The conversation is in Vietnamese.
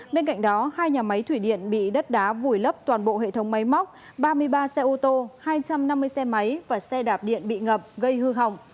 bên cạnh đó hai nhà máy thủy điện bị đất đá vùi lấp toàn bộ hệ thống máy móc ba mươi ba xe ô tô hai trăm năm mươi xe máy và xe đạp điện bị ngập gây hư hỏng